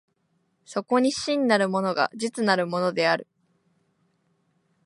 そこに真なるものが実なるものである。